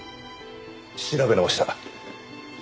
調べ直した。